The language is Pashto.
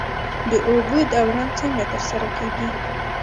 د اوبو دوران څنګه ترسره کیږي؟